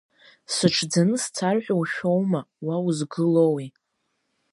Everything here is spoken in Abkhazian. Сыҽӡаны сцар ҳәа ушәома, уа узгылоуи?